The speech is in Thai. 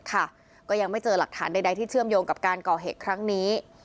ก็ยังไม่เจอหลักฐานใดที่เชื่อมโยงกับการก่อเหตุครั้งนี้